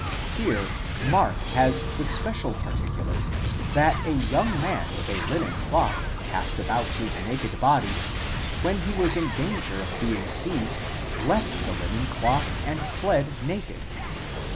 Here' Mark has the special particular, that a young man with a linen cloth cast about his naked body, when he was in danger of being seized, left the linen cloth and fied naked.